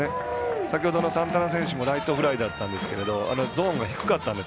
先ほどのサンタナ選手もライトフライだったんですけどゾーンが低かったんです。